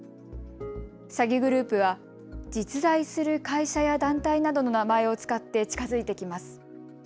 詐欺グループは実在する会社や団体などの名前を使って近づいてきます。